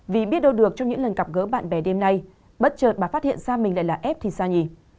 vì biết đâu được trong những lần gặp gỡ bạn bè đêm nay bất chợt bà phát hiện da mình lại là ép thì sao nhỉ